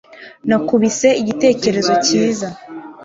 nakubise igitekerezo cyiza